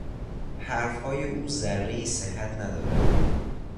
حرفهای او ذرهای صحت ندارد.